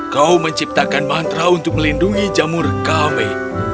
kau menciptakan mantra untuk melindungi jamur kami